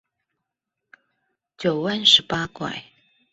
九彎十八拐